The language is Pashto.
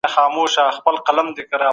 هر انسان له ستونزو سره مخ دی.